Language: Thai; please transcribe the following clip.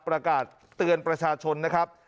ประกาศเตือนประชาชนนะครับ